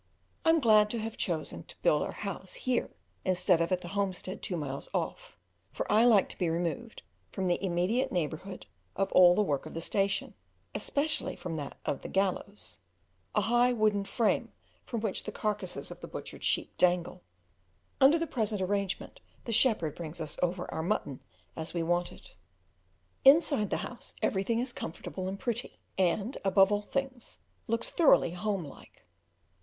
I am glad we have chosen to build our house here instead of at the homestead two miles off; for I like to be removed from the immediate neighbourhood of all the work of the station, especially from that of the "gallows," a high wooden frame from which the carcases of the butchered sheep dangle; under the present arrangement the shepherd brings us over our mutton as we want it. Inside the house everything is comfortable and pretty, and, above all things, looks thoroughly home like.